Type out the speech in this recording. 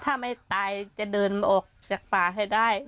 ถ้าไม่ตายจะเดินออกจากป่าให้ได้